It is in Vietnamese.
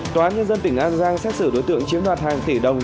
tòa án nhân dân tỉnh an giang xét xử đối tượng chiếm đoạt hàng tỷ đồng